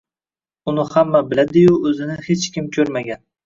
Uni hamma biladi-yu, o`zini hech kim ko`rmagan